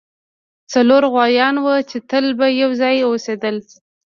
څلور غوایان وو چې تل به یو ځای اوسیدل.